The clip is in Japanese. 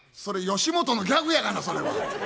それ吉本のギャグやがなそれは。